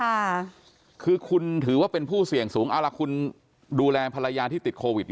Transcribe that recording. ค่ะคือคุณถือว่าเป็นผู้เสี่ยงสูงเอาล่ะคุณดูแลภรรยาที่ติดโควิด